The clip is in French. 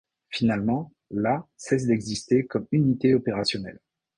Finalement, la cesse d'exister comme unité opérationnelle.